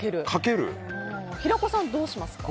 平子さんどうしますか。